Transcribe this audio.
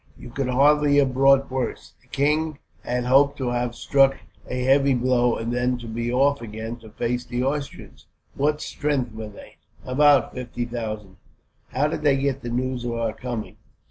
You could hardly have brought worse. The king had hoped to have struck a heavy blow, and then to be off again to face the Austrians. What strength were they?" "About fifty thousand." "How did they get the news of our coming?"